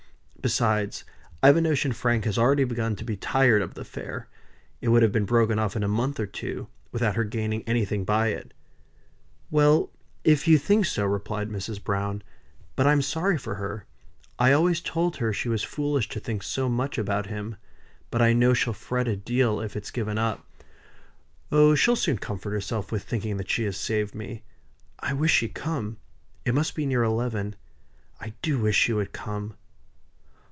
Besides I've a notion Frank had already begun to be tired of the affair; it would have been broken off in a month or two, without her gaining anything by it." "Well, if you think so," replied Mrs. Browne. "But I'm sorry for her. I always told her she was foolish to think so much about him: but I know she'll fret a deal if it's given up." "Oh! she'll soon comfort herself with thinking that she has saved me. I wish she'd come. It must be near eleven. I do wish she would come.